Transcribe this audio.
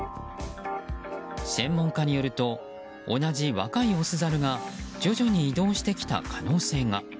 専門家によると同じ若いオスザルが徐々に移動してきた可能性が。